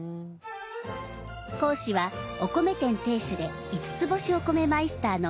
講師はお米店店主で五ツ星お米マイスターの西島豊造さん。